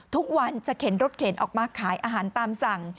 ทุกวันจะเข็นรถเข็นออกมาขายอาหารตามสั่ง